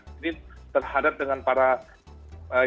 jadi terhadap dengan para pelanggar